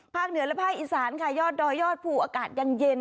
เหนือและภาคอีสานค่ะยอดดอยยอดภูอากาศยังเย็น